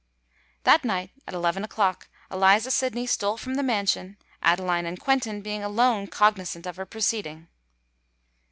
That night, at eleven o'clock, Eliza Sydney stole from the mansion, Adeline and Quentin being alone cognisant of her proceeding.